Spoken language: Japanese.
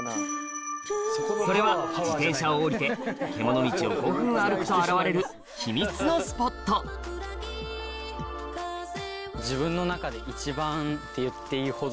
それは自転車を降りて獣道を５分歩くと現れる秘密のスポットって言っていいほど。